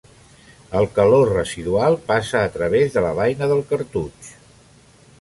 El calor residual passa a través de la beina del cartutx.